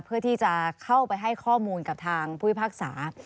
เพื่อที่จะเข้าไปให้ข้อมูลกับทางผู้พิพากษา